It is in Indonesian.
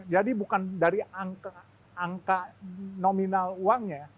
jadi bukan dari angka nominal uangnya